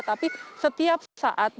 tapi setiap saat